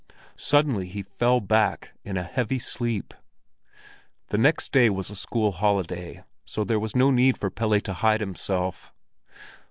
Suddenly he fell back in a heavy sleep. The next day was a school holiday, so there was no need for Pelle to hide himself.